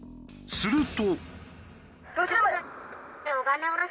すると。